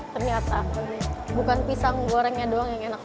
ternyata bukan pisang gorengnya doang yang enak